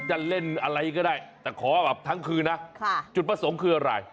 จะเล่นอะไรก็ได้แต่ขอแบบทั้งคืนนะจุดประสงค์คืออะไร